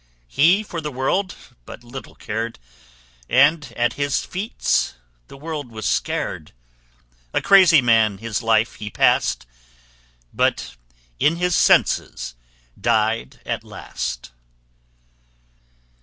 He for the world but little cared; And at his feats the world was scared; A crazy man his life he passed, But in his senses died at last.